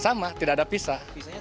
sama tidak ada pisah